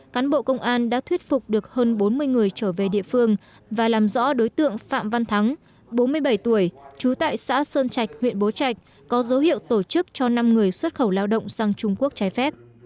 cán bộ công an đã thuyết phục được hơn bốn mươi người trở về địa phương và làm rõ đối tượng phạm văn thắng bốn mươi bảy tuổi trú tại xã sơn trạch huyện bố trạch có dấu hiệu tổ chức cho năm người xuất khẩu lao động sang trung quốc trái phép